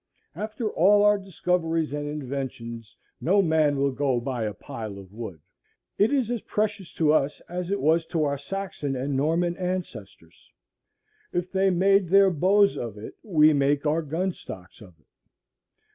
After all our discoveries and inventions no man will go by a pile of wood. It is as precious to us as it was to our Saxon and Norman ancestors. If they made their bows of it, we make our gun stocks of it.